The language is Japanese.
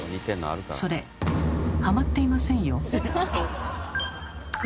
それはまっていませんよ。